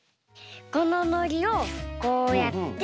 こののりをこうやって。